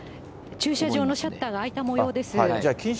駐車場のシャッターが開いたもようです。